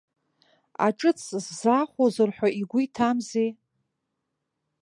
Аҿыц сзаахәозар ҳәа игәы иҭамзи.